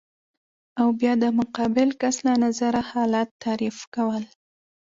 او بیا د مقابل کس له نظره حالت تعریف کول